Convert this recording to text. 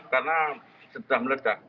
karena sudah meledak